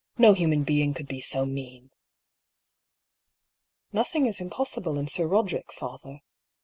No human being could be so mean !•*'^ Nothing is impossible in Sir Roderick) father.